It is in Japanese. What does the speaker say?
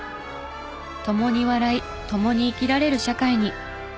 共に笑い共に生きられる社会に。